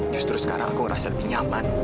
justru sekarang aku merasa lebih nyaman